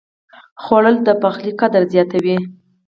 خوړل د پخلي قدر زیاتوي